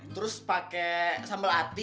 terus pakai sambal ati